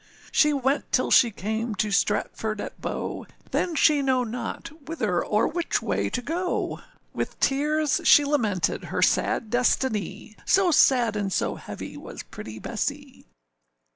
She went till she came to Stratford at Bow, Then she know not whither or which way to go, With tears she lamented her sad destiny; So sad and so heavy was pretty Bessee.